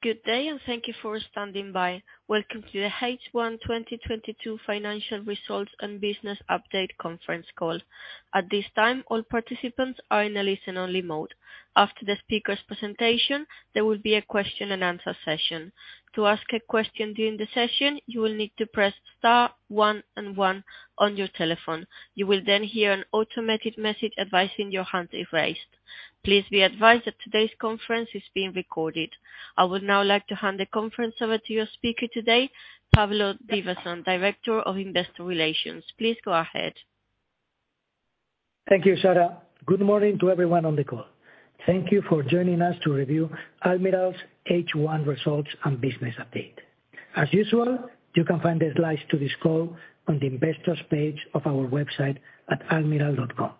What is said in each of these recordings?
Good day, and thank you for standing by. Welcome to the H1 2022 financial results and business update conference call. At this time, all participants are in a listen-only mode. After the speaker's presentation, there will be a question and answer session. To ask a question during the session, you will need to press star one and one on your telephone. You will then hear an automated message advising your hand is raised. Please be advised that today's conference is being recorded. I would now like to hand the conference over to your speaker today, Pablo Divasson, Director of Investor Relations. Please go ahead. Thank you, Sarah. Good morning to everyone on the call. Thank you for joining us to review Almirall's H1 results and business update. As usual, you can find the slides to this call on the investors page of our website at almirall.com.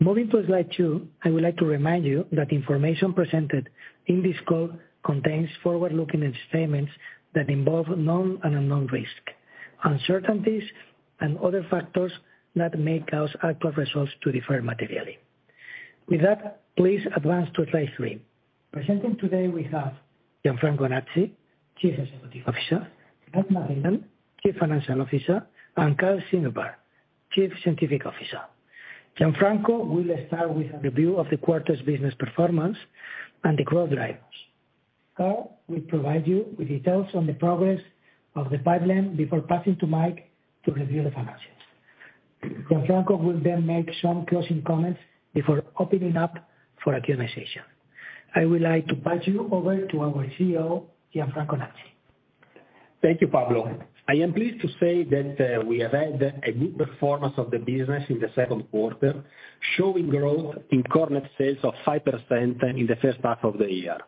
Moving to slide two, I would like to remind you that information presented in this call contains forward-looking statements that involve known and unknown risk, uncertainties and other factors that may cause actual results to differ materially. With that, please advance to slide three. Presenting today, we have Gianfranco Nazzi, Chief Executive Officer, Mike McClellan, Chief Financial Officer, and Karl Ziegelbauer, Chief Scientific Officer. Gianfranco will start with a review of the quarter's business performance and the growth drivers. Karl will provide you with details on the progress of the pipeline before passing to Mike to review the financials. Gianfranco will then make some closing comments before opening up for a Q&A session. I would like to pass you over to our CEO, Gianfranco Nazzi. Thank you, Pablo. I am pleased to say that we have had a good performance of the business in the second quarter, showing growth in core net sales of 5% in the first half of the year.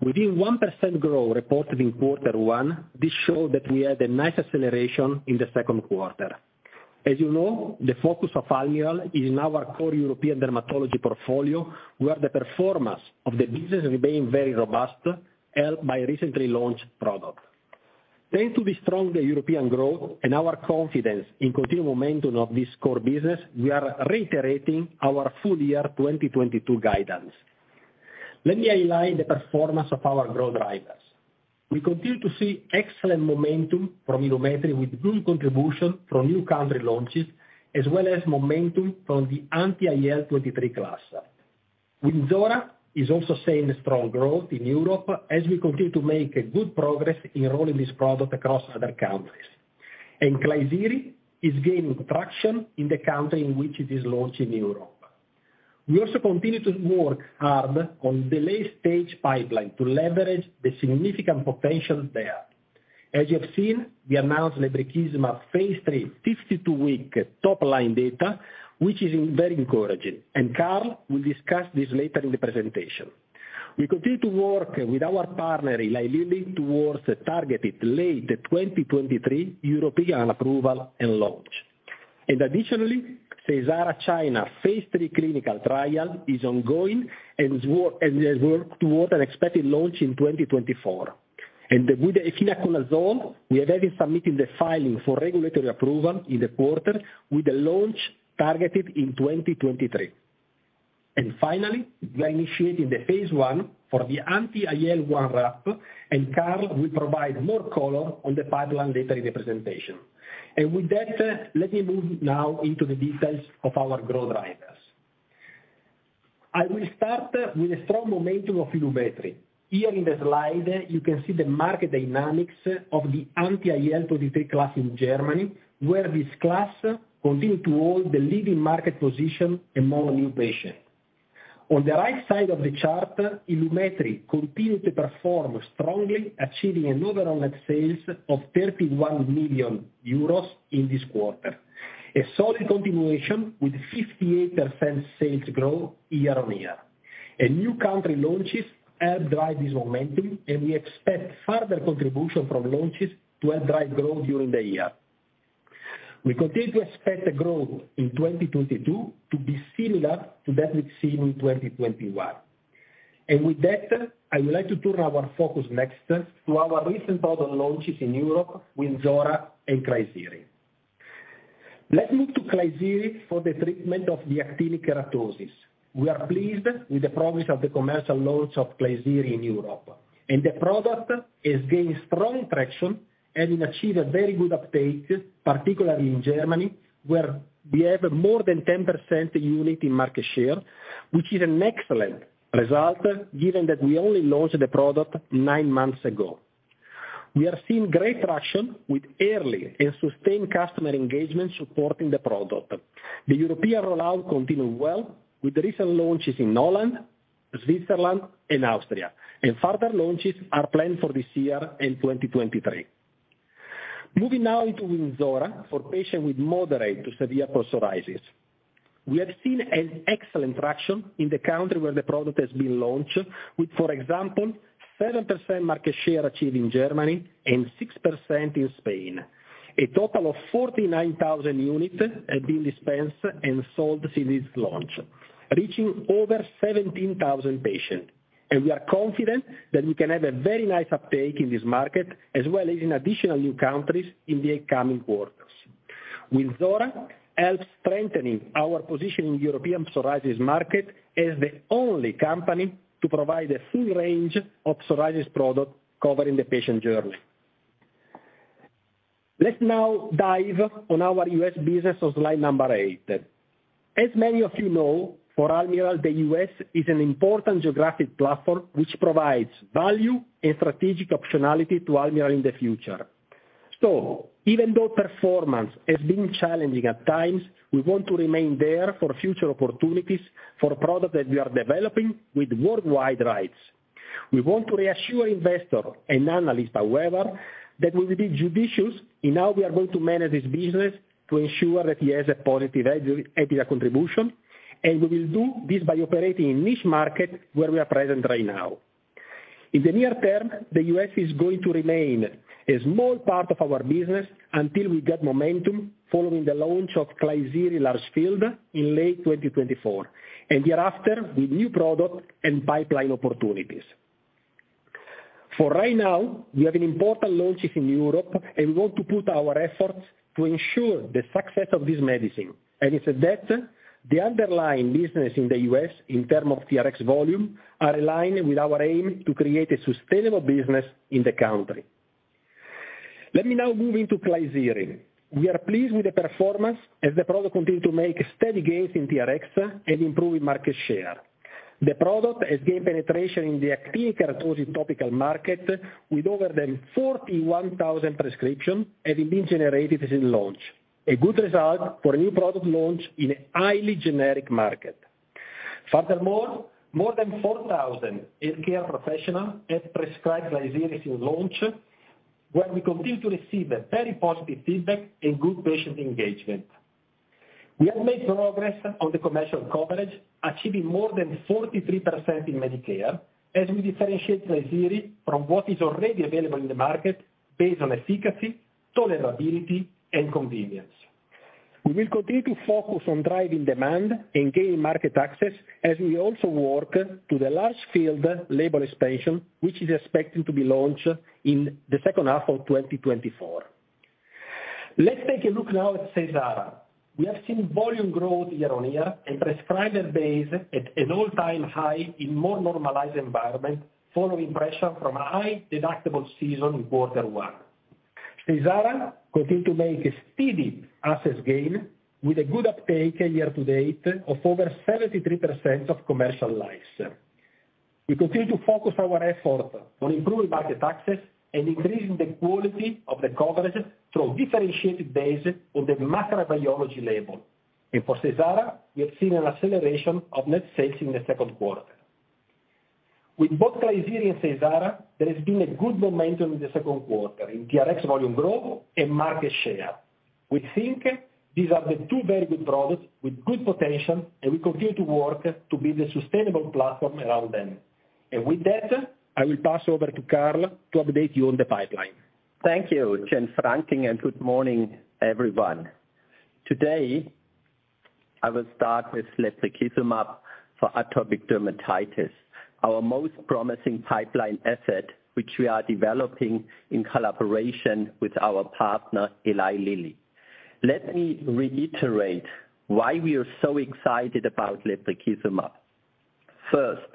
With 1% growth reported in quarter one, this showed that we had a nice acceleration in the second quarter. As you know, the focus of Almirall is now our core European dermatology portfolio, where the performance of the business remains very robust, helped by recently launched products. Thanks to the stronger European growth and our confidence in continued momentum of this core business, we are reiterating our full year 2022 guidance. Let me outline the performance of our growth drivers. We continue to see excellent momentum from Ilumetri, with good contribution from new country launches, as well as momentum from the anti-IL-23 class. Wynzora is also seeing a strong growth in Europe as we continue to make good progress in rolling this product across other countries. Klisyri is gaining traction in the country in which it is launched in Europe. We also continue to work hard on the late-stage pipeline to leverage the significant potential there. As you have seen, we announced lebrikizumab Phase 3 52-week top-line data, which is very encouraging, and Karl will discuss this later in the presentation. We continue to work with our partner, Eli Lilly, towards the targeted late 2023 European approval and launch. Additionally, Seysara China Phase 3 clinical trial is ongoing and has worked toward an expected launch in 2024. With the efinaconazole, we have been submitting the filing for regulatory approval in the quarter with the launch targeted in 2023. Finally, we are initiating the Phase 1 for the anti-IL-1RAP, and Karl will provide more color on the pipeline later in the presentation. With that, let me move now into the details of our growth drivers. I will start with a strong momentum of Ilumetri. Here in the slide you can see the market dynamics of the anti-IL-23 class in Germany, where this class continue to hold the leading market position among new patients. On the right side of the chart, Ilumetri continued to perform strongly, achieving an overall net sales of 31 million euros in this quarter. A solid continuation with 58% sales growth year-over-year, and new country launches help drive this momentum, and we expect further contribution from launches to help drive growth during the year. We continue to expect the growth in 2022 to be similar to that we've seen in 2021. With that, I would like to turn our focus next to our recent product launches in Europe, Wynzora and Klisyri. Let's move to Klisyri for the treatment of actinic keratosis. We are pleased with the progress of the commercial launch of Klisyri in Europe, and the product is gaining strong traction, having achieved a very good uptake, particularly in Germany, where we have more than 10% unit market share, which is an excellent result given that we only launched the product nine months ago. We are seeing great traction with early and sustained customer engagement supporting the product. The European rollout continued well with recent launches in Holland, Switzerland and Austria, and further launches are planned for this year and 2023. Moving now into Wynzora for patients with moderate to severe psoriasis. We have seen an excellent traction in the country where the product has been launched with, for example, 7% market share achieved in Germany and 6% in Spain. A total of 49,000 units have been dispensed and sold since its launch, reaching over 17,000 patients. We are confident that we can have a very nice uptake in this market as well as in additional new countries in the coming quarters. Wynzora helps strengthening our position in European psoriasis market as the only company to provide a full range of psoriasis product covering the patient journey. Let's now dive on our U.S. business on slide number eight. As many of you know, for Almirall, the U.S. is an important geographic platform which provides value and strategic optionality to Almirall in the future. Even though performance has been challenging at times, we want to remain there for future opportunities for products that we are developing with worldwide rights. We want to reassure investors and analysts, however, that we will be judicious in how we are going to manage this business to ensure that it has a positive EBITDA contribution, and we will do this by operating in niche markets where we are present right now. In the near term, the U.S. is going to remain a small part of our business until we get momentum following the launch of Klisyri in late 2024, and thereafter with new products and pipeline opportunities. For right now, we have important launches in Europe, and we want to put our efforts to ensure the success of this medicine. With that, the underlying business in the U.S. in terms of TRX volume are aligned with our aim to create a sustainable business in the country. Let me now move into Klisyri. We are pleased with the performance as the product continued to make steady gains in TRX and improving market share. The product has gained penetration in the actinic keratosis topical market with more than 41,000 prescriptions having been generated since launch, a good result for a new product launch in a highly generic market. Furthermore, more than 4,000 healthcare professionals have prescribed Klisyri since launch, where we continue to receive a very positive feedback and good patient engagement. We have made progress on the commercial coverage, achieving more than 43% in Medicare as we differentiate Klisyri from what is already available in the market based on efficacy, tolerability, and convenience. We will continue to focus on driving demand and gaining market access as we also work to the large field label expansion, which is expected to be launched in the second half of 2024. Let's take a look now at Seysara. We have seen volume growth year-on-year and prescriber base at an all-time high in more normalized environment following pressure from a high deductible season in quarter one. Seysara continued to make a steady access gain with a good uptake year to date of over 73% of commercial lives. We continue to focus our effort on improving market access and increasing the quality of the coverage through a differentiated basis on the microbiology level. For Seysara, we have seen an acceleration of net sales in the second quarter. With both Klisyri and Seysara, there has been a good momentum in the second quarter in TRX volume growth and market share. We think these are the two very good products with good potential, and we continue to work to build a sustainable platform around them. With that, I will pass over to Karl to update you on the pipeline. Thank you, Gianfranco, and good morning, everyone. Today, I will start with lebrikizumab for atopic dermatitis, our most promising pipeline asset which we are developing in collaboration with our partner, Eli Lilly. Let me reiterate why we are so excited about lebrikizumab. First,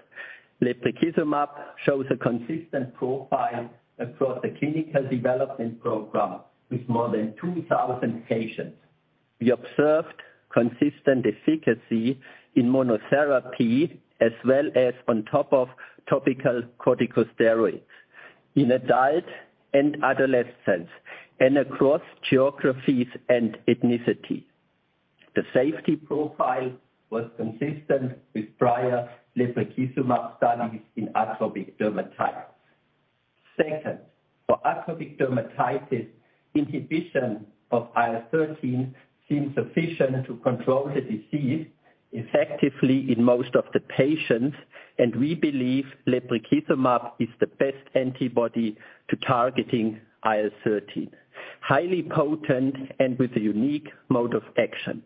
lebrikizumab shows a consistent profile across the clinical development program with more than 2,000 patients. We observed consistent efficacy in monotherapy as well as on top of topical corticosteroids in adult and adolescents and across geographies and ethnicities. The safety profile was consistent with prior lebrikizumab studies in atopic dermatitis. Second, for atopic dermatitis, inhibition of IL-13 seemed sufficient to control the disease effectively in most of the patients, and we believe lebrikizumab is the best antibody to targeting IL-13, highly potent and with a unique mode of action.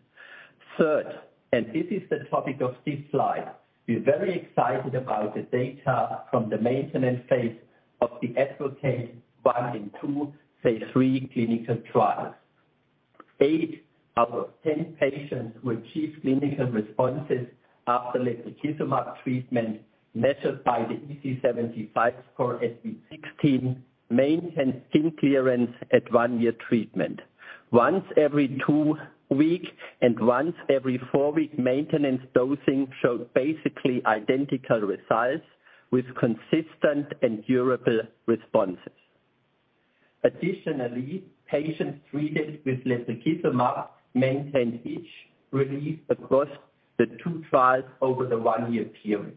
Third, and this is the topic of this slide, we're very excited about the data from the maintenance Phase of the ADvocate 1 and 2 Phase 3 clinical trials. 8 out of 10 patients who achieved clinical responses after lebrikizumab treatment measured by the EASI 75 score at week 16, maintained skin clearance at one-year treatment. Once every two-week and once every four-week maintenance dosing showed basically identical results with consistent and durable responses. Additionally, patients treated with lebrikizumab maintained itch relief across the two trials over the one-year period.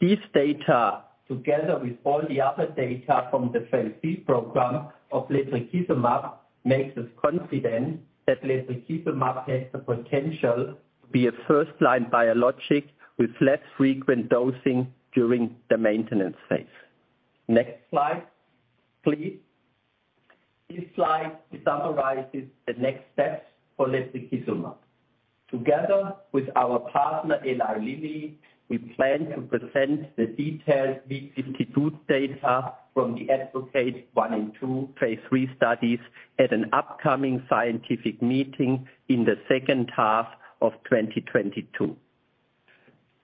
This data, together with all the other data from the Phase 3 program of lebrikizumab, makes us confident that lebrikizumab has the potential to be a first-line biologic with less frequent dosing during the maintenance Phase. Next slide, please. This slide summarizes the next steps for lebrikizumab. Together with our partner, Eli Lilly, we plan to present the detailed week 52 data from the ADvocate 1 and 2 Phase 3 studies at an upcoming scientific meeting in the second half of 2022.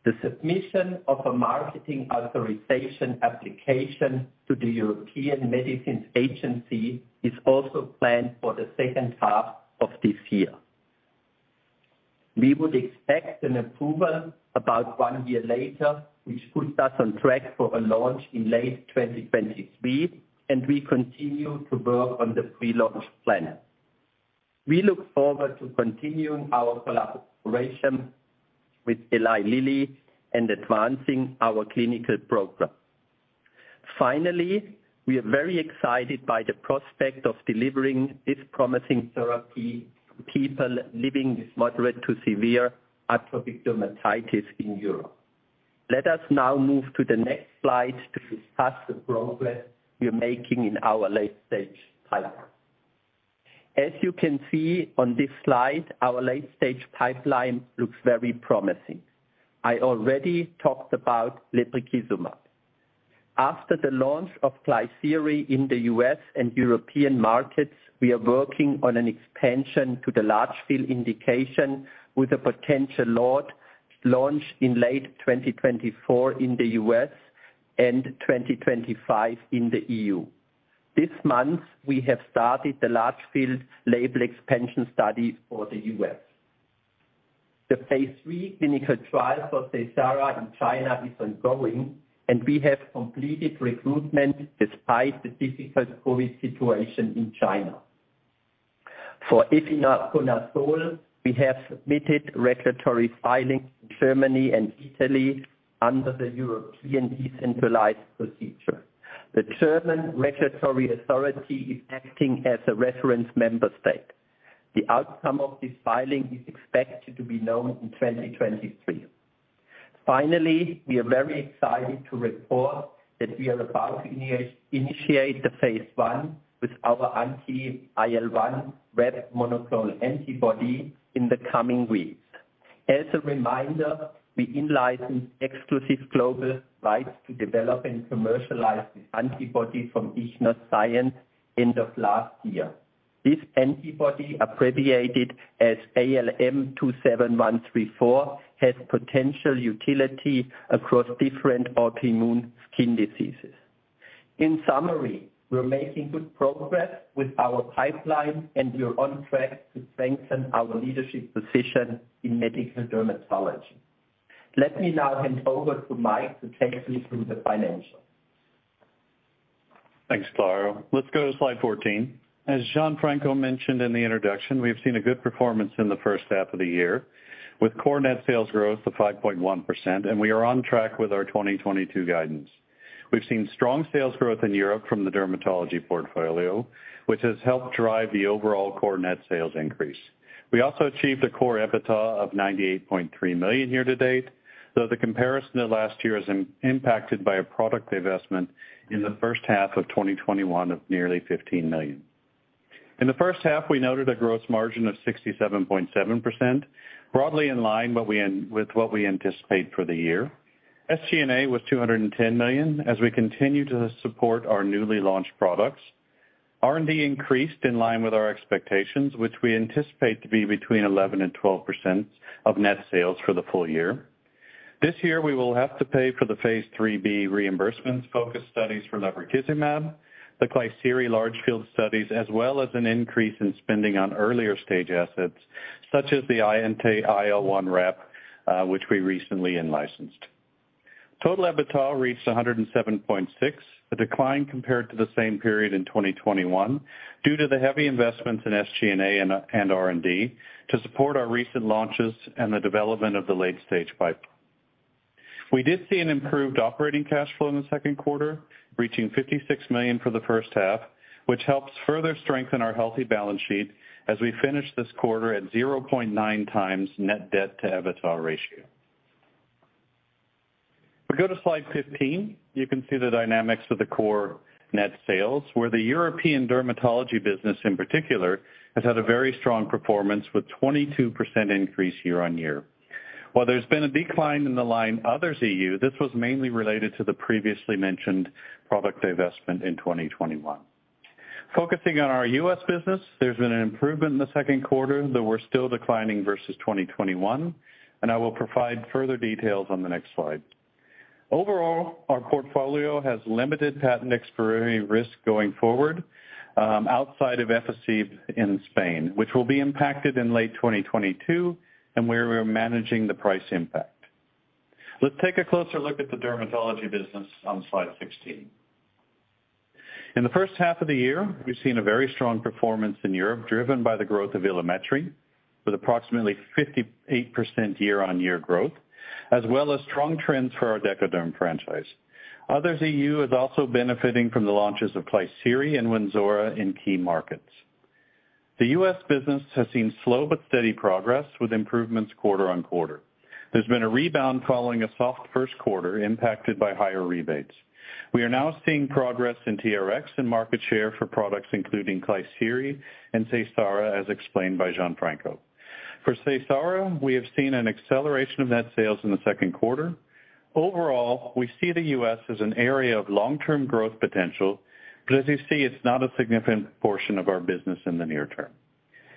The submission of a marketing authorization application to the European Medicines Agency is also planned for the second half of this year. We would expect an approval about one year later, which puts us on track for a launch in late 2023, and we continue to work on the pre-launch plan. We look forward to continuing our collaboration with Eli Lilly and advancing our clinical program. Finally, we are very excited by the prospect of delivering this promising therapy to people living with moderate to severe atopic dermatitis in Europe. Let us now move to the next slide to discuss the progress we are making in our late-stage pipeline. As you can see on this slide, our late-stage pipeline looks very promising. I already talked about lebrikizumab. After the launch of Klisyri in the U.S. and European markets, we are working on an expansion to the large field indication with a potential label launch in late 2024 in the U.S. and 2025 in the EU. This month, we have started the large field label expansion study for the U.S. The Phase 3 clinical trial for Seysara in China is ongoing, and we have completed recruitment despite the difficult COVID situation in China. For efinaconazole, we have submitted regulatory filings in Germany and Italy under the European decentralized procedure. The German regulatory authority is acting as a reference member state. The outcome of this filing is expected to be known in 2023. Finally, we are very excited to report that we are about to initiate the Phase 1 with our anti-IL-1RAP monoclonal antibody in the coming weeks. As a reminder, we in-licensed exclusive global rights to develop and commercialize this antibody from Ichnos Sciences end of last year. This antibody, abbreviated as ALM27134, has potential utility across different autoimmune skin diseases. In summary, we're making good progress with our pipeline, and we are on track to strengthen our leadership position in medical dermatology. Let me now hand over to Mike to take you through the financials. Thanks, Karl. Let's go to slide 14. As Gianfranco mentioned in the introduction, we have seen a good performance in the first half of the year, with core net sales growth of 5.1%, and we are on track with our 2022 guidance. We've seen strong sales growth in Europe from the dermatology portfolio, which has helped drive the overall core net sales increase. We also achieved a core EBITDA of 98.3 million year to date, though the comparison to last year is impacted by a product divestment in the first half of 2021 of nearly 15 million. In the first half, we noted a gross margin of 67.7%, broadly in line with what we anticipate for the year. SG&A was 210 million as we continue to support our newly launched products. R&D increased in line with our expectations, which we anticipate to be between 11%-12% of net sales for the full year. This year, we will have to pay for the Phase 3b reimbursements-focused studies for lebrikizumab, the Klisyri large field studies, as well as an increase in spending on earlier stage assets such as the anti-IL-1RAP, which we recently in-licensed. Total EBITDA reached 107.6 million, a decline compared to the same period in 2021 due to the heavy investments in SG&A and R&D to support our recent launches and the development of the late-stage pipe. We did see an improved operating cash flow in the second quarter, reaching 56 million for the first half, which helps further strengthen our healthy balance sheet as we finish this quarter at 0.9x net debt to EBITDA ratio. If we go to slide 15, you can see the dynamics of the core net sales, where the European dermatology business in particular has had a very strong performance with 22% increase year-on-year. While there's been a decline in the line Others EU, this was mainly related to the previously mentioned product divestment in 2021. Focusing on our U.S. business, there's been an improvement in the second quarter, though we're still declining versus 2021, and I will provide further details on the next slide. Overall, our portfolio has limited patent expiry risk going forward, outside of EpiCept in Spain, which will be impacted in late 2022 and where we're managing the price impact. Let's take a closer look at the dermatology business on slide 16. In the first half of the year, we've seen a very strong performance in Europe, driven by the growth of Ilumetri, with approximately 58% year-on-year growth, as well as strong trends for our Decoderm franchise. Our EU is also benefiting from the launches of Klisyri and Wynzora in key markets. The U.S. business has seen slow but steady progress with improvements quarter-on-quarter. There's been a rebound following a soft first quarter impacted by higher rebates. We are now seeing progress in TRX and market share for products including Klisyri and Seysara, as explained by Gianfranco. For Seysara, we have seen an acceleration of net sales in the second quarter. Overall, we see the U.S. as an area of long-term growth potential, but as you see, it's not a significant portion of our business in the near term.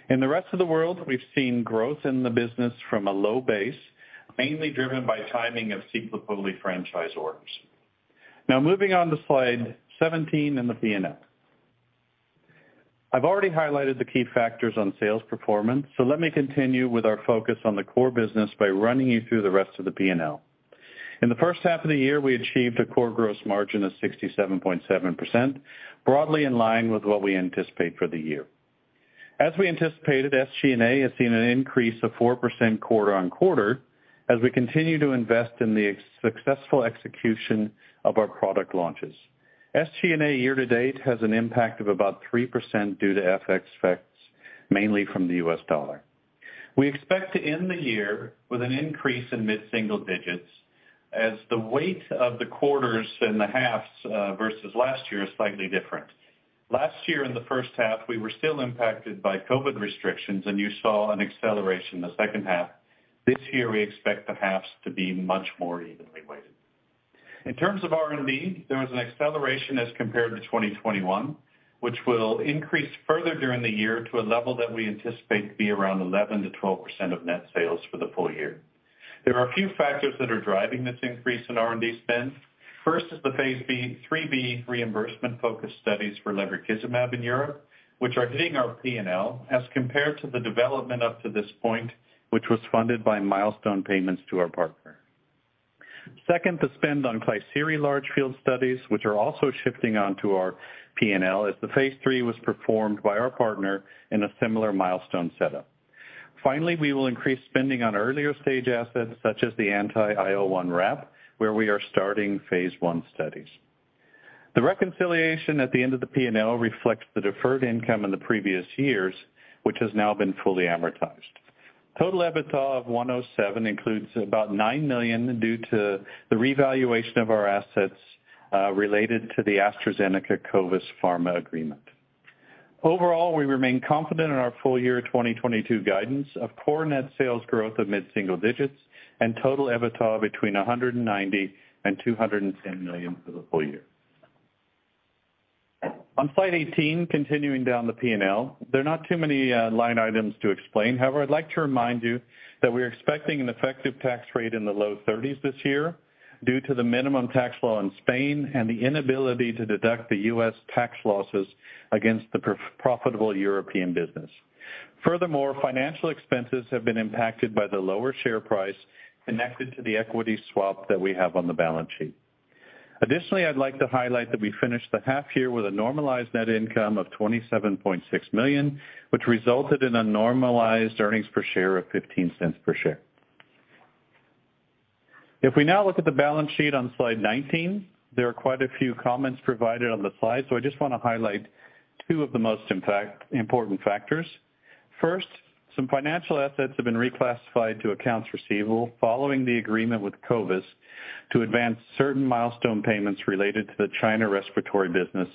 In the rest of the world, we've seen growth in the business from a low base, mainly driven by timing of sequel fully franchise orders. Now moving on to slide 17 in the P&L. I've already highlighted the key factors on sales performance, so let me continue with our focus on the core business by running you through the rest of the P&L. In the first half of the year, we achieved a core gross margin of 67.7%, broadly in line with what we anticipate for the year. As we anticipated, SG&A has seen an increase of 4% quarter-on-quarter as we continue to invest in the successful execution of our product launches. SG&A year to date has an impact of about 3% due to FX effects, mainly from the U.S. dollar. We expect to end the year with an increase in mid single digits as the weight of the quarters and the halves versus last year is slightly different. Last year in the first half, we were still impacted by COVID restrictions, and you saw an acceleration in the second half. This year we expect the halves to be much more evenly weighted. In terms of R&D, there was an acceleration as compared to 2021, which will increase further during the year to a level that we anticipate to be around 11%-12% of net sales for the full year. There are a few factors that are driving this increase in R&D spend. First is the Phase 3b reimbursement focus studies for lebrikizumab in Europe, which are hitting our P&L as compared to the development up to this point, which was funded by milestone payments to our partner. Second, the spend on Klisyri large field studies, which are also shifting on to our P&L as the Phase 3 was performed by our partner in a similar milestone setup. Finally, we will increase spending on earlier stage assets such as the anti-IL-1RAP, where we are starting Phase 1 studies. The reconciliation at the end of the P&L reflects the deferred income in the previous years, which has now been fully amortized. Total EBITDA of 107 million includes about 9 million due to the revaluation of our assets related to the AstraZeneca Covis Pharma agreement. Overall, we remain confident in our full year 2022 guidance of core net sales growth of mid-single digits% and total EBITDA between 190 million and 210 million for the full year. On slide 18, continuing down the P&L, there are not too many line items to explain. However, I'd like to remind you that we're expecting an effective tax rate in the low thirties% this year due to the minimum tax law in Spain and the inability to deduct the U.S. tax losses against the profitable European business. Furthermore, financial expenses have been impacted by the lower share price connected to the equity swap that we have on the balance sheet. Additionally, I'd like to highlight that we finished the half year with a normalized net income of 27.6 million, which resulted in a normalized earnings per share of 0.15 per share. If we now look at the balance sheet on slide 19, there are quite a few comments provided on the slide, so I just wanna highlight two of the most impact-important factors. First, some financial assets have been reclassified to accounts receivable following the agreement with Covis to advance certain milestone payments related to the China respiratory business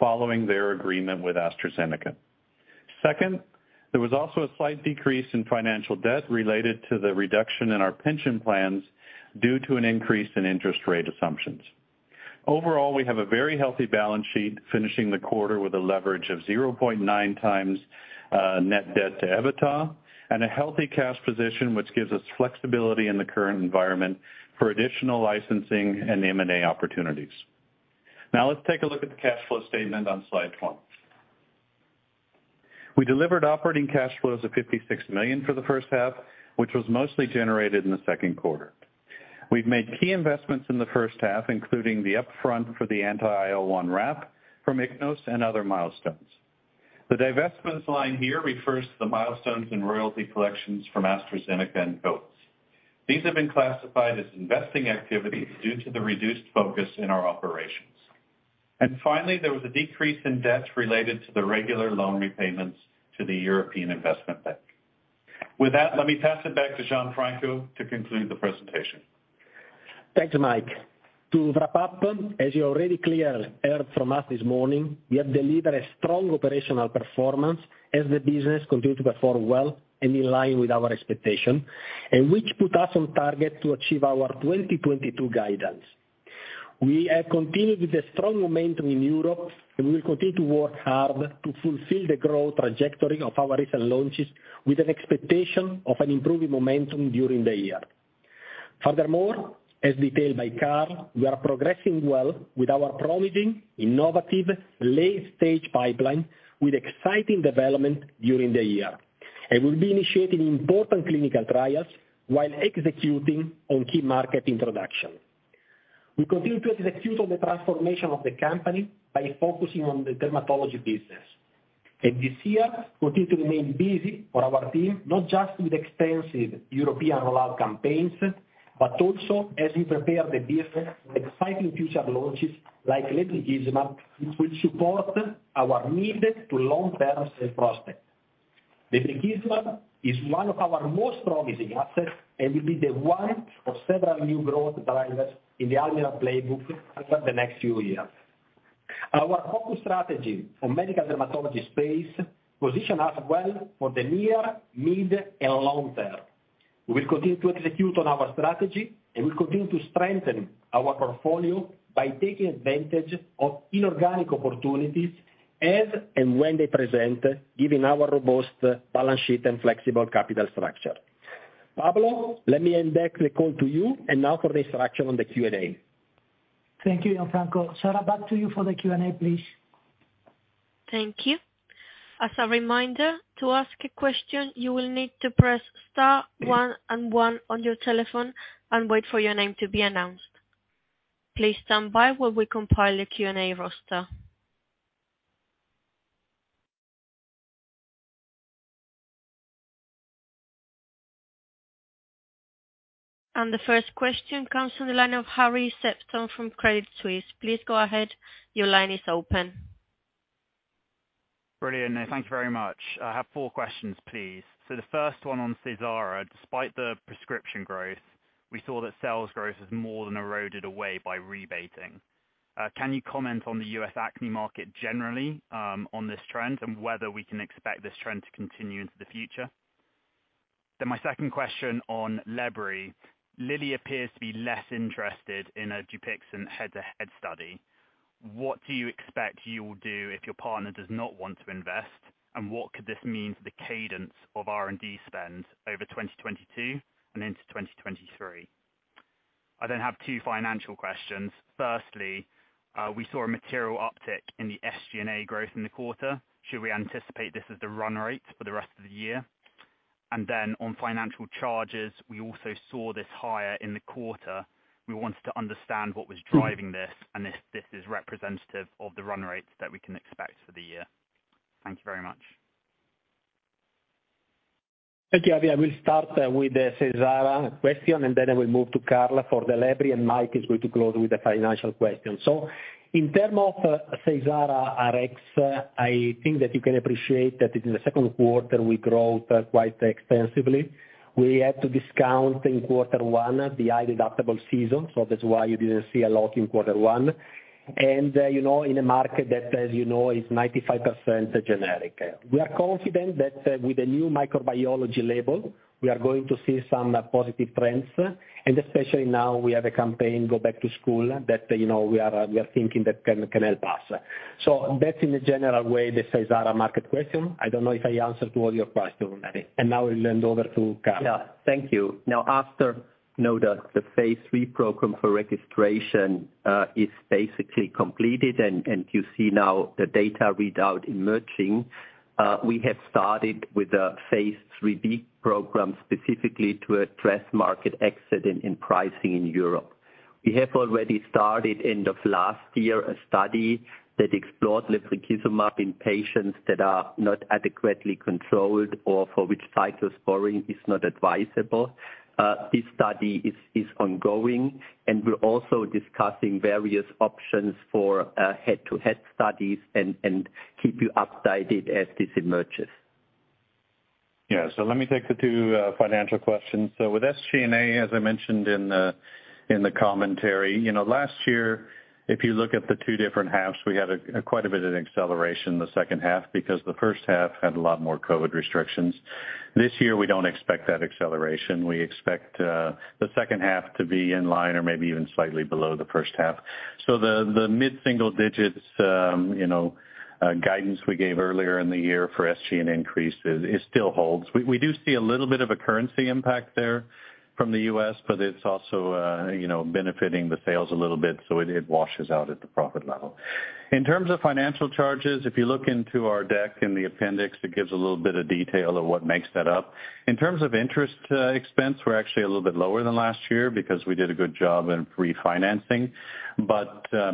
following their agreement with AstraZeneca. Second, there was also a slight decrease in financial debt related to the reduction in our pension plans due to an increase in interest rate assumptions. Overall, we have a very healthy balance sheet, finishing the quarter with a leverage of 0.9x net debt to EBITDA and a healthy cash position, which gives us flexibility in the current environment for additional licensing and M&A opportunities. Now let's take a look at the cash flow statement on slide 20. We delivered operating cash flows of 56 million for the first half, which was mostly generated in the second quarter. We've made key investments in the first half, including the upfront for the anti-IL-1RAP from Ichnos and other milestones. The divestments line here refers to the milestones and royalty collections from AstraZeneca and Covis. These have been classified as investing activities due to the reduced focus in our operations. Finally, there was a decrease in debt related to the regular loan repayments to the European Investment Bank. With that, let me pass it back to Gianfranco to conclude the presentation. Thanks, Mike. To wrap up, as you already clearly heard from us this morning, we have delivered a strong operational performance as the business continued to perform well and in line with our expectation and which put us on target to achieve our 2022 guidance. We have continued with the strong momentum in Europe, and we'll continue to work hard to fulfill the growth trajectory of our recent launches with an expectation of an improving momentum during the year. Furthermore, as detailed by Karl, we are progressing well with our promising innovative late-stage pipeline with exciting development during the year. We'll be initiating important clinical trials while executing on key market introduction. We continue to execute on the transformation of the company by focusing on the dermatology business. This year, continue to remain busy for our team, not just with extensive European rollout campaigns but also as we prepare the business for exciting future launches like lebrikizumab, which will support our need for long-term sales prospects. lebrikizumab is one of our most promising assets and will be one of several new growth drivers in the Almirall playbook over the next few years. Our focus strategy for medical dermatology space positions us well for the near, mid, and long term. We will continue to execute on our strategy, and we continue to strengthen our portfolio by taking advantage of inorganic opportunities as and when they present, given our robust balance sheet and flexible capital structure. Pablo, let me hand back the call to you, and now for the introduction on the Q&A. Thank you, Gianfranco. Sarah, back to you for the Q&A, please. Thank you. As a reminder, to ask a question, you will need to press star one and one on your telephone and wait for your name to be announced. Please stand by while we compile a Q&A roster. The first question comes from the line of Harry Sephton from Credit Suisse. Please go ahead. Your line is open. Brilliant. Thank you very much. I have four questions, please. The first one on Seysara. Despite the prescription growth, we saw that sales growth is more than eroded away by rebating. Can you comment on the U.S. acne market generally, on this trend, and whether we can expect this trend to continue into the future? My second question on lebri. Eli Lilly appears to be less interested in a Dupixent head-to-head study. What do you expect you will do if your partner does not want to invest? And what could this mean for the cadence of R&D spend over 2022 and into 2023? I then have two financial questions. We saw a material uptick in the SG&A growth in the quarter. Should we anticipate this as the run rate for the rest of the year? On financial charges, we also saw this higher in the quarter. We wanted to understand what was driving this and if this is representative of the run rates that we can expect for the year. Thank you very much. Thank you. I will start with the Seysara question, and then I will move to Karl for the lebri, and Mike is going to close with the financial question. In terms of Seysara Rx, I think that you can appreciate that in the second quarter we grew quite extensively. We had to discount in quarter one the high deductible season, so that's why you didn't see a lot in quarter one. You know, in a market that, as you know, is 95% generic. We are confident that with the new microbiology label, we are going to see some positive trends, and especially now we have a back-to-school campaign that, you know, we are thinking that can help us. That's in a general way, the Seysara market question. I don't know if I answered to all your questions, Harry. Now we'll hand over to Karl. Yeah. Thank you. Now, after NDA, the Phase 3 program for registration is basically completed and you see now the data readout emerging. We have started with a Phase 3b program specifically to address market access and pricing in Europe. We have already started, end of last year, a study that explored lebrikizumab in patients that are not adequately controlled or for which cyclosporine is not advisable. This study is ongoing and we're also discussing various options for head-to-head studies and keep you updated as this emerges. Let me take the two financial questions. With SG&A, as I mentioned in the commentary, you know, last year, if you look at the two different halves, we had quite a bit of an acceleration in the second half because the first half had a lot more COVID restrictions. This year we don't expect that acceleration. We expect the second half to be in line or maybe even slightly below the first half. The mid-single digits guidance we gave earlier in the year for SG&A increase still holds. We do see a little bit of a currency impact there from the U.S., but it's also benefiting the sales a little bit, so it washes out at the profit level. In terms of financial charges, if you look into our deck in the appendix, it gives a little bit of detail of what makes that up. In terms of interest expense, we're actually a little bit lower than last year because we did a good job in refinancing.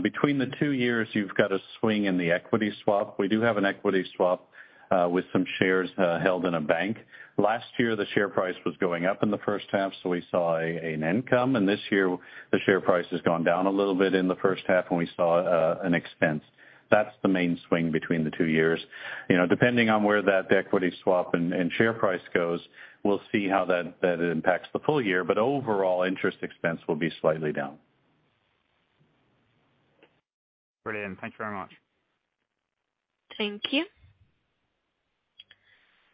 Between the two years, you've got a swing in the equity swap. We do have an equity swap with some shares held in a bank. Last year, the share price was going up in the first half, so we saw an income. This year the share price has gone down a little bit in the first half and we saw an expense. That's the main swing between the two years. Depending on where that equity swap and share price goes, we'll see how that impacts the full year. Overall interest expense will be slightly down. Brilliant. Thank you very much. Thank you.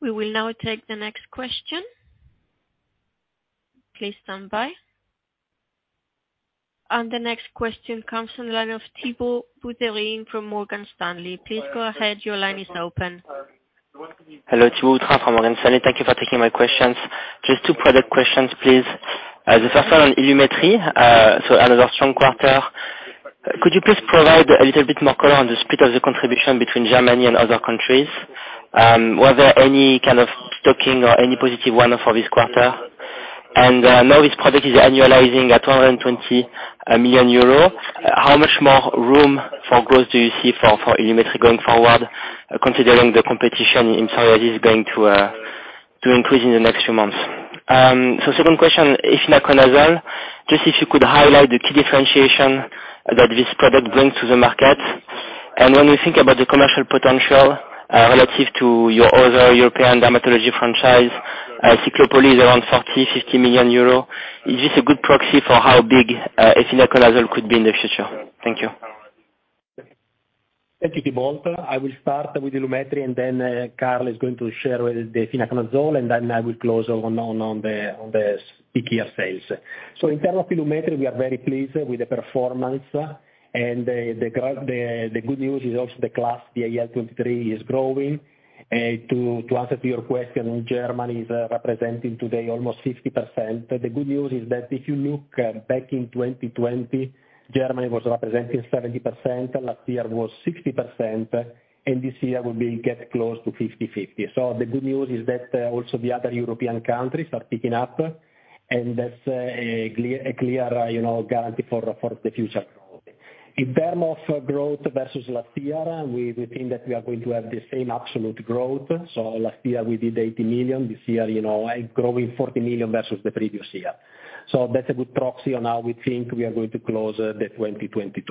We will now take the next question. Please stand by. The next question comes from the line of Thibault Boutherin from Morgan Stanley. Please go ahead. Your line is open. Hello. Thibault from Morgan Stanley. Thank you for taking my questions. Just two product questions, please. The first one on Ilumetri, so another strong quarter. Could you please provide a little bit more color on the split of the contribution between Germany and other countries? Was there any kind of talking or any positive one for this quarter? Now this product is annualizing at 12 million euros and EUR 20 million. How much more room for growth do you see for Ilumetri going forward, considering the competition in science is going to. To increase in the next few months. So second question, if efinaconazole, just if you could highlight the key differentiation that this product brings to the market. When we think about the commercial potential, relative to your other European dermatology franchise, Ciclopoli is around 40 million-50 million euros. Is this a good proxy for how big efinaconazole could be in the future? Thank you. Thank you, Thibault. I will start with Ilumetri, and then Karl is going to share the efinaconazole, and then I will close on the peak year sales. In terms of Ilumetri, we are very pleased with the performance, and the good news is also the class IL-23 is growing. To answer your question, Germany is representing today almost 50%. The good news is that if you look back in 2020, Germany was representing 70%. Last year was 60%. This year will be getting close to 50/50. The good news is that also the other European countries are picking up, and that's a clear you know guarantee for the future. In terms of growth versus last year, we think that we are going to have the same absolute growth. Last year we did 80 million. This year, you know, and growing 40 million versus the previous year. That's a good proxy on how we think we are going to close 2022.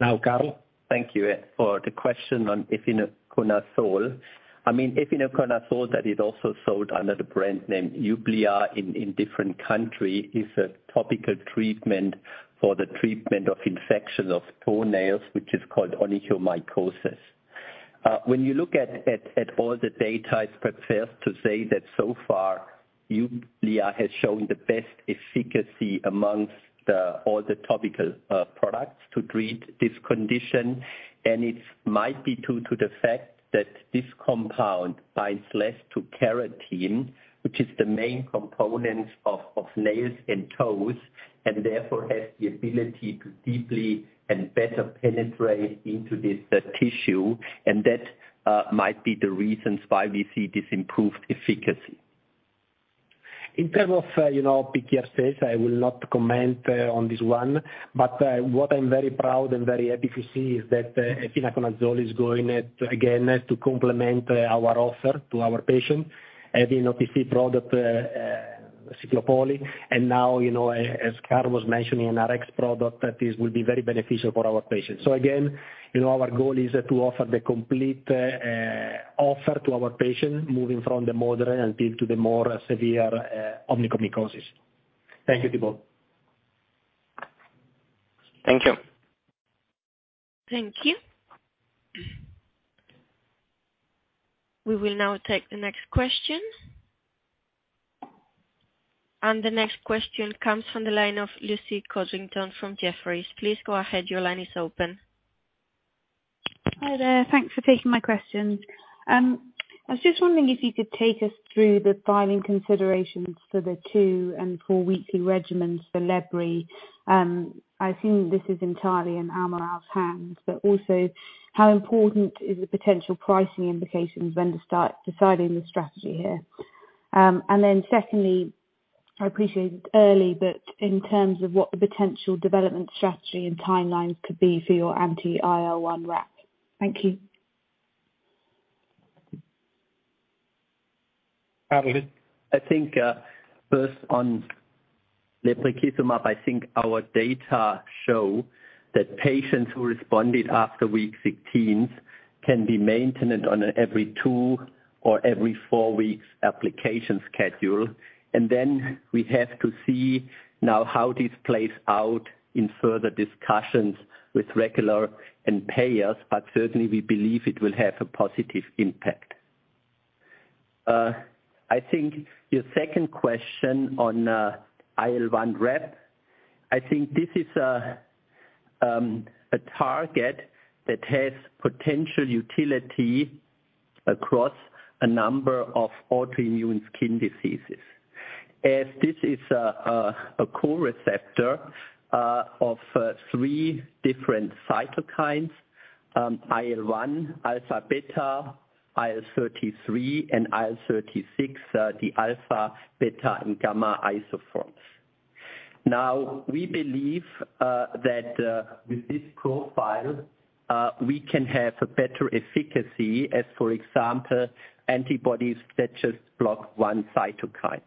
Now, Karl. Thank you for the question on efinaconazole. I mean, efinaconazole that is also sold under the brand name Jublia in different country, is a topical treatment for the treatment of infection of toenails, which is called onychomycosis. When you look at all the data, it's perhaps fair to say that so far Jublia has shown the best efficacy among all the topical products to treat this condition. That might be the reasons why we see this improved efficacy. In terms of peak year sales, I will not comment on this one, but what I'm very proud and very happy to see is that efinaconazole is going, again, to complement our offer to our patient. Having OTC product Ciclopoli, and now, as Karl was mentioning, an Rx product that will be very beneficial for our patients. Again, our goal is to offer the complete offer to our patients moving from the moderate to the more severe onychomycosis. Thank you, Thibault. Thank you. Thank you. We will now take the next question. The next question comes from the line of Lucy Codrington from Jefferies. Please go ahead. Your line is open. Hi there. Thanks for taking my questions. I was just wondering if you could take us through the filing considerations for the two and four-weekly regimens for lebri. I assume this is entirely in Almirall's hands, but also how important is the potential pricing implications when to start deciding the strategy here? Secondly, I appreciate it's early, but in terms of what the potential development strategy and timelines could be for your anti-IL-1RAP. Thank you. Karl, go ahead. I think, first on lebrikizumab, I think our data show that patients who responded after week 16 can be maintained on an every two or every four weeks application schedule. Then we have to see now how this plays out in further discussions with regulators and payers, but certainly we believe it will have a positive impact. I think your second question on IL-1RAP, I think this is a target that has potential utility across a number of autoimmune skin diseases. As this is a coreceptor of three different cytokines, IL-1 alpha/beta, IL-33, and IL-36, the alpha, beta and gamma isoforms. Now, we believe that with this profile, we can have a better efficacy as, for example, antibodies that just block one cytokine.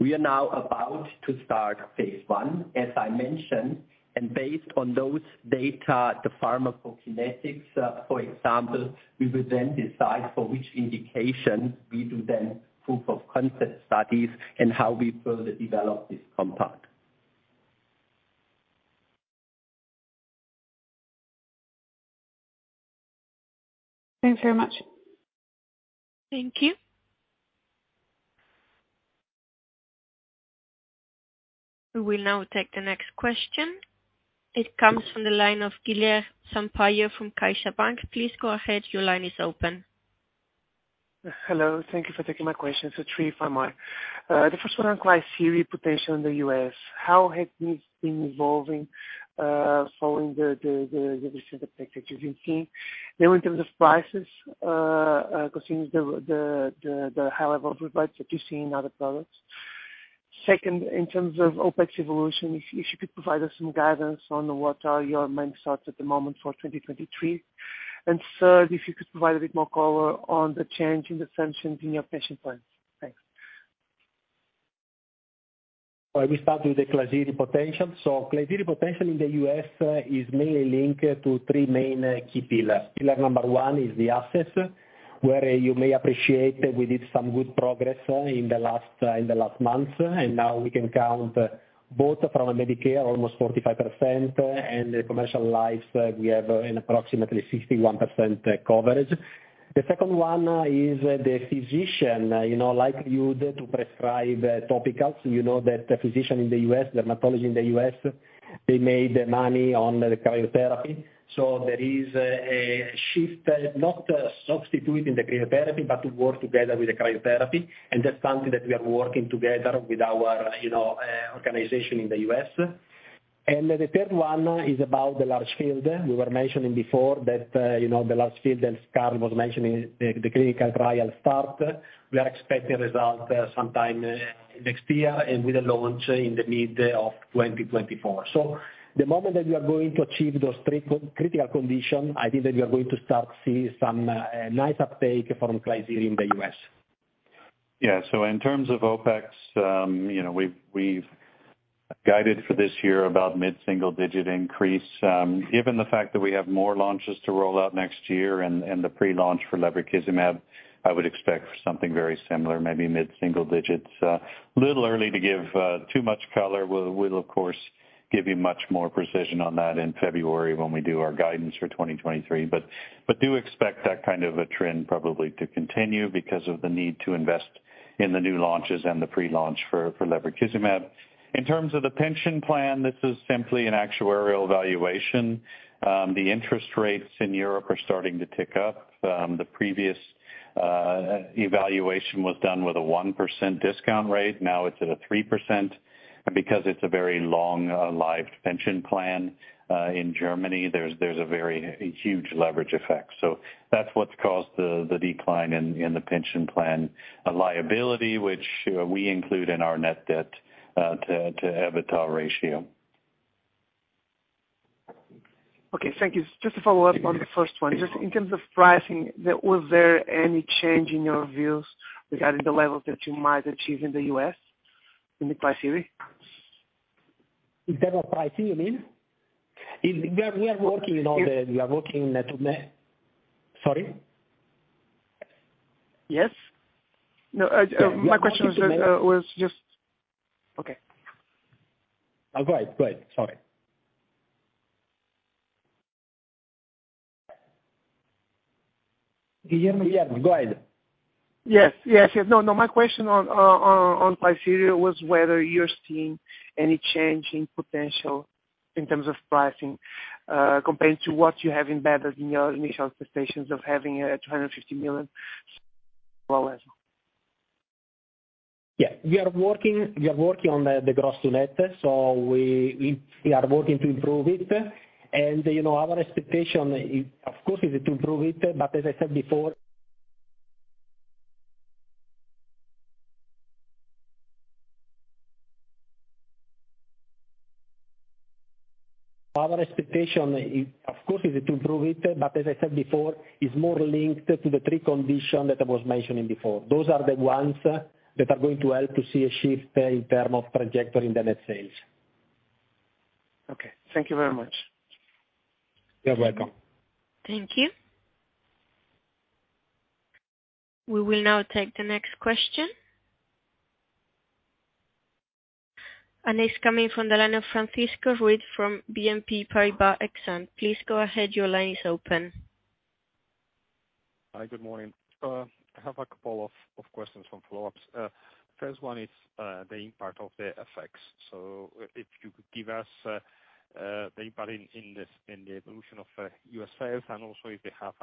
We are now about to start Phase 1, as I mentioned. Based on those data, the pharmacokinetics, for example, we will then decide for which indication we do then proof of concept studies and how we further develop this compound. Thanks very much. Thank you. We will now take the next question. It comes from the line of Guilherme Sampaio from CaixaBank. Please go ahead. Your line is open. Hello. Thank you for taking my questions. Three if I may. The first one on Klisyri potential in the U.S. How has this been evolving, following the recent uptake that you've been seeing? In terms of prices, considering the high level of rebates that you see in other products. Second, in terms of OpEx evolution, if you could provide us some guidance on what are your main thoughts at the moment for 2023. Third, if you could provide a bit more color on the change in the assumptions in your pension plan. Thanks. Well, we start with the Klisyri potential. Klisyri potential in the U.S. is mainly linked to three main key pillars. Pillar number one is the assets, where you may appreciate that we did some good progress in the last months, and now we can count both from a Medicare, almost 45%, and the commercial lives, we have an approximately 61% coverage. The second one is the physician, you know, likely used to prescribe topicals. You know that the physician in the U.S., dermatology in the U.S., they made money on the cryotherapy. There is a shift, not substituting the cryotherapy, but to work together with the cryotherapy, and that's something that we are working together with our, you know, organization in the U.S. The third one is about the large field. We were mentioning before that, you know, the large field, and Karl was mentioning the clinical trial start. We are expecting results sometime next year and with the launch in the mid of 2024. The moment that we are going to achieve those three critical conditions, I think that we are going to start seeing some nice uptake from Klisyri in the U.S. Yeah. In terms of OpEx, you know, we've guided for this year about mid-single-digit increase. Given the fact that we have more launches to roll out next year and the pre-launch for lebrikizumab, I would expect something very similar, maybe mid-single digits. A little early to give too much color. We'll of course give you much more precision on that in February when we do our guidance for 2023. Do expect that kind of a trend probably to continue because of the need to invest in the new launches and the pre-launch for lebrikizumab. In terms of the pension plan, this is simply an actuarial evaluation. The interest rates in Europe are starting to tick up. The previous evaluation was done with a 1% discount rate. Now it's at a 3%. Because it's a very long-lived pension plan in Germany, there's a very huge leverage effect. That's what's caused the decline in the pension plan, a liability which we include in our net debt to EBITDA ratio. Okay, thank you. Just to follow up on the first one. Just in terms of pricing, was there any change in your views regarding the levels that you might achieve in the U.S. in the Klisyri? In terms of pricing, you mean? We are working net to net. Sorry? Yes? No, my question was just. Okay. Go ahead. Sorry. Guilherme, yes, go ahead. Yes. No, my question on Klisyri was whether you're seeing any change in potential in terms of pricing, compared to what you have embedded in your initial expectations of having 250 million. Yeah. We are working on the gross to net. We are working to improve it. You know, our expectation of course is to improve it. But as I said before, our expectation of course is to improve it, but as I said before is more linked to the three conditions that I was mentioning before. Those are the ones that are going to help to see a shift in terms of trajectory in the net sales. Okay. Thank you very much. You're welcome. Thank you. We will now take the next question. It's coming from the line of Francisco Ruiz from BNP Paribas Exane. Please go ahead. Your line is open. Hi. Good morning. I have a couple of questions and follow-ups. First one is the impact of the FX effects. If you could give us the impact on the evolution of U.S. sales and also if they have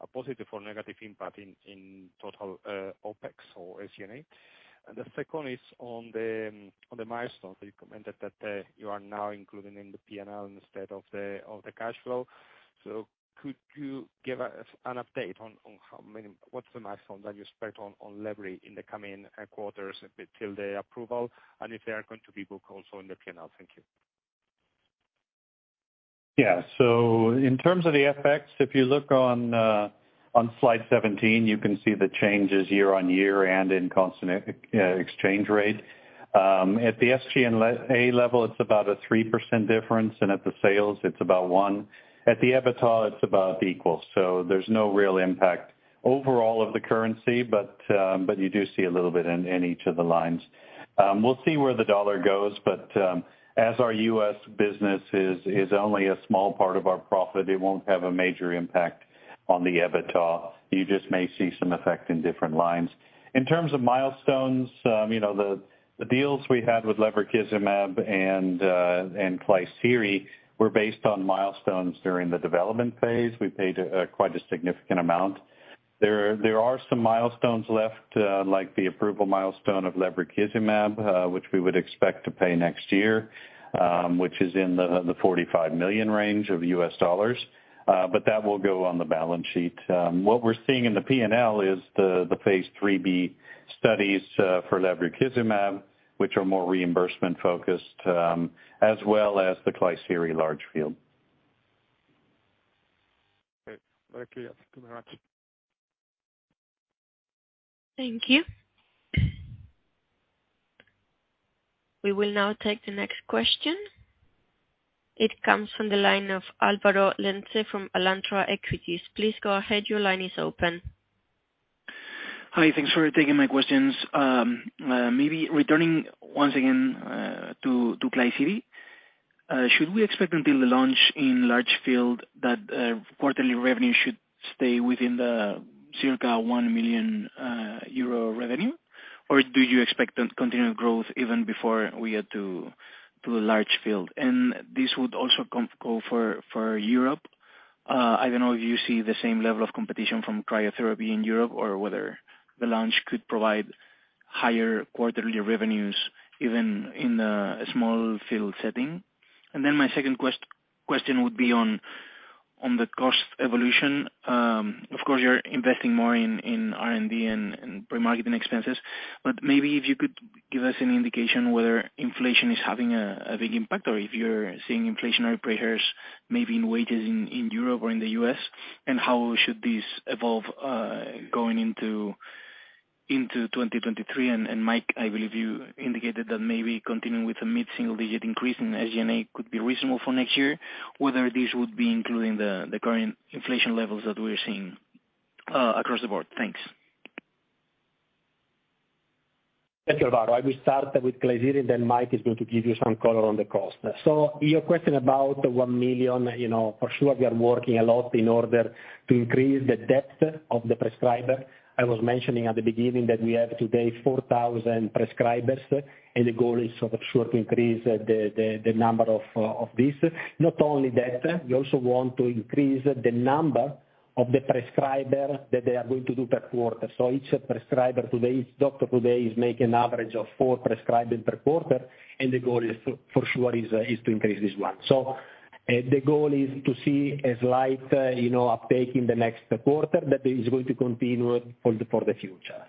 a positive or negative impact on total OpEx or SG&A. The second is on the milestones. You commented that you are now including in the P&L instead of the cash flow. Could you give us an update on what the milestones are that you expect receiving in the coming quarters till the approval, and if they are going to be booked also in the P&L? Thank you. Yeah. In terms of the FX, if you look on slide 17, you can see the changes year-over-year and in constant exchange rate. At the SG&A level, it's about a 3% difference, and at the sales it's about 1%. At the EBITDA, it's about equal. There's no real impact overall of the currency, but you do see a little bit in each of the lines. We'll see where the U.S. dollar goes, but as our U.S. business is only a small part of our profit, it won't have a major impact on the EBITDA. You just may see some effect in different lines. In terms of milestones, you know, the deals we had with lebrikizumab and Klisyri were based on milestones during the development Phase. We paid quite a significant amount. There are some milestones left, like the approval milestone of lebrikizumab, which we would expect to pay next year, which is in the $45 million range, but that will go on the balance sheet. What we're seeing in the P&L is the Phase 3b studies for lebrikizumab, which are more reimbursement-focused, as well as the Klisyri large field. Okay. Very clear. Thank you very much. Thank you. We will now take the next question. It comes from the line of Álvaro Lenze from Alantra Equities. Please go ahead. Your line is open. Hi. Thanks for taking my questions. Maybe returning once again to Klisyri, should we expect until the launch in large field that quarterly revenue should stay within the circa 1 million euro? Or do you expect the continued growth even before we get to a large field? This would also go for Europe. I don't know if you see the same level of competition from cryotherapy in Europe or whether the launch could provide higher quarterly revenues even in a small field setting. My second question would be on the cost evolution. Of course you're investing more in R&D and pre-marketing expenses, but maybe if you could give us an indication whether inflation is having a big impact or if you're seeing inflationary pressures maybe in wages in Europe or in the U.S., and how should this evolve going into 2023. Mike, I believe you indicated that maybe continuing with a mid-single digit increase in SG&A could be reasonable for next year, whether this would be including the current inflation levels that we're seeing across the board. Thanks. Thank you, Álvaro. I will start with Klisyri, then Mike is going to give you some color on the cost. Your question about the 1 million, you know, for sure we are working a lot in order to increase the depth of the prescriber. I was mentioning at the beginning that we have today 4,000 prescribers, and the goal is for sure to increase the number of this. Not only that, we also want to increase the number of the prescriber that they are going to do per quarter. Each prescriber today, each doctor today is making average of four prescribing per quarter, and the goal is for sure to increase this one. The goal is to see a slight, you know, uptake in the next quarter that is going to continue for the future.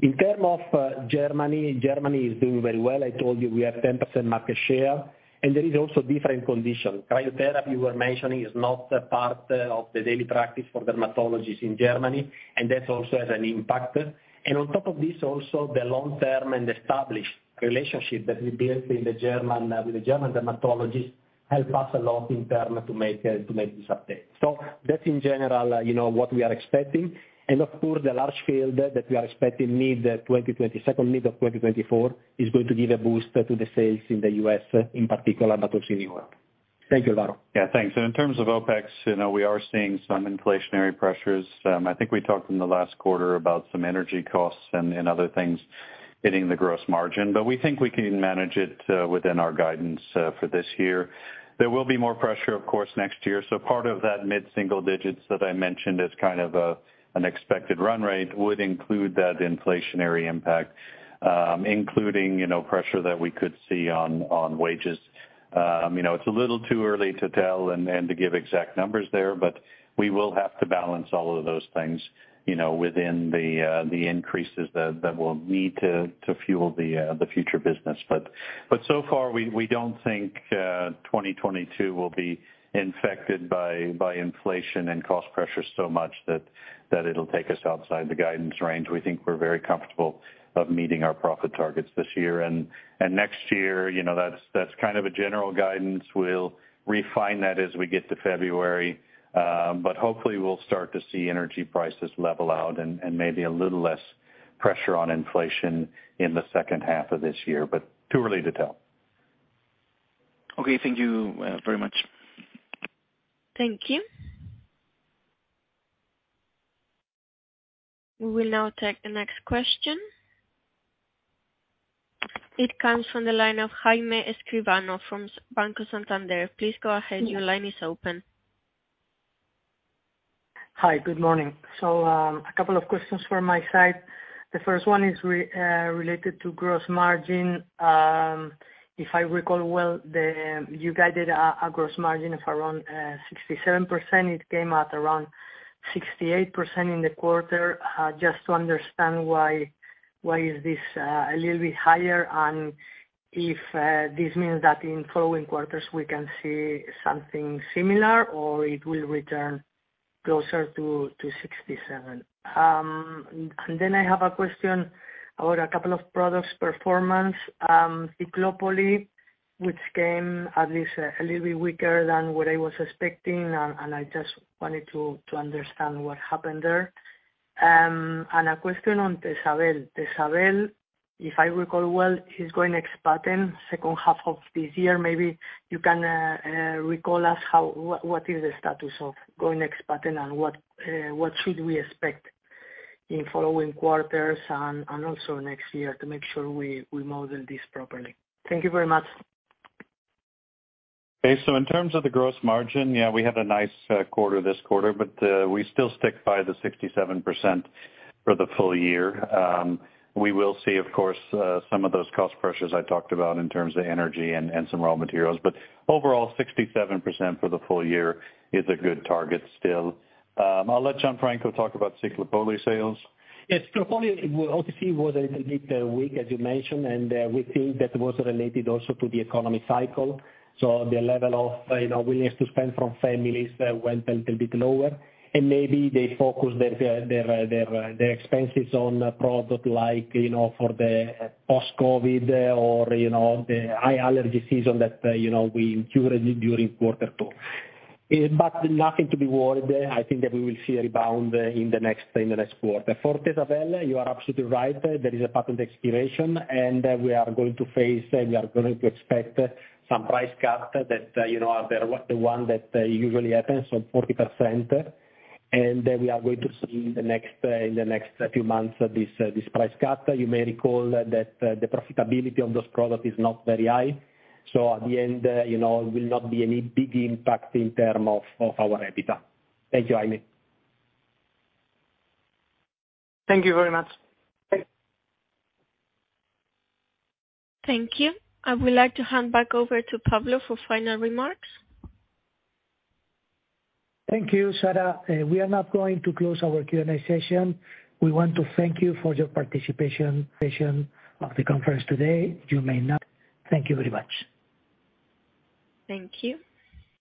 In terms of Germany is doing very well. I told you we have 10% market share, and there is also different conditions. Cryotherapy, you were mentioning, is not a part of the daily practice for dermatologists in Germany, and that also has an impact. On top of this, also the long-term and established relationship that we built with the German dermatologists help us a lot in terms of making this update. That's in general, you know, what we are expecting. Of course, the launch that we are expecting mid-2024 is going to give a boost to the sales in the U.S. in particular, but also in Europe. Thank you, Álvaro. Yeah, thanks. In terms of OpEx, you know, we are seeing some inflationary pressures. I think we talked in the last quarter about some energy costs and other things hitting the gross margin. We think we can manage it within our guidance for this year. There will be more pressure, of course, next year. Part of that mid-single digits that I mentioned as kind of an expected run rate would include that inflationary impact, including, you know, pressure that we could see on wages. You know, it's a little too early to tell and to give exact numbers there, but we will have to balance all of those things, you know, within the increases that we'll need to fuel the future business. So far, we don't think 2022 will be affected by inflation and cost pressure so much that it'll take us outside the guidance range. We think we're very comfortable of meeting our profit targets this year. Next year, you know, that's kind of a general guidance. We'll refine that as we get to February. Hopefully we'll start to see energy prices level out and maybe a little less pressure on inflation in the second half of this year. Too early to tell. Okay. Thank you, very much. Thank you. We will now take the next question. It comes from the line of Jaime Escribano from Banco Santander. Please go ahead, your line is open. Hi. Good morning. A couple of questions from my side. The first one is related to gross margin. If I recall well, you guided a gross margin of around 67%. It came out around 68% in the quarter. Just to understand why this is a little bit higher, and if this means that in following quarters we can see something similar or it will return closer to 67%. I have a question about a couple of products' performance. Ciclopoli, which came at least a little bit weaker than what I was expecting, and I just wanted to understand what happened there. A question on Tesavel. Tesavel, if I recall well, is going ex-patent second half of this year. Maybe you can remind us what is the status of going ex-patent and what should we expect in following quarters and also next year to make sure we model this properly. Thank you very much. Okay. In terms of the gross margin, yeah, we had a nice quarter this quarter, but we still stick by the 67% for the full year. We will see, of course, some of those cost pressures I talked about in terms of energy and some raw materials, but overall, 67% for the full year is a good target still. I'll let Gianfranco talk about Ciclopoli sales. Yes. Ciclopoli obviously was a little bit weak, as you mentioned, and we think that was related also to the economic cycle. The level of, you know, willingness to spend from families went a little bit lower. Maybe they focused their expenses on a product like, you know, for the post-COVID or, you know, the high allergy season that, you know, we incurred during quarter two. Nothing to be worried. I think that we will see a rebound in the next quarter. For Tesavel, you are absolutely right. There is a patent expiration, and we are going to expect some price cut that, you know, are the one that usually happens, so 40%. We are going to see in the next few months this price cut. You may recall that the profitability on this product is not very high. At the end, you know, it will not be any big impact in terms of our EBITDA. Thank you, Jaime. Thank you very much. Thank you. I would like to hand back over to Pablo for final remarks. Thank you, Sarah. We are now going to close our Q&A session. We want to thank you for your participation of the conference today. Thank you very much. Thank you.